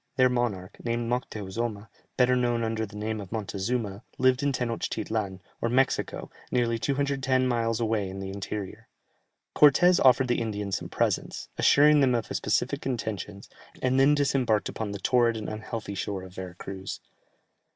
Their monarch, named Moctheuzoma, better known under the name of Montezuma, lived in Tenochtitlan, or Mexico, nearly 210 miles away in the interior. Cortès offered the Indians some presents, assuring them of his pacific intentions, and then disembarked upon the torrid and unhealthy shore of Vera Cruz.